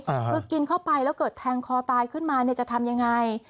คือกินเข้าไปแล้วเกิดแทงคอตายขึ้นมาเนี่ยจะทำยังไง